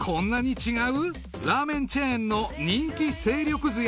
［ラーメンチェーンの人気勢力図や］